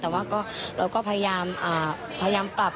แต่ว่าเราก็พยายามปรับ